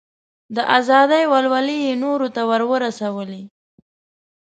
د ازادۍ ولولې یې نورو ته ور ورسولې.